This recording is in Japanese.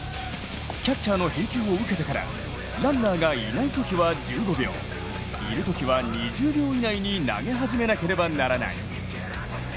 キャッチャーの返球を受けてからランナーがいないときは１５秒、いるときは２０秒以内に投げ始めなければならない。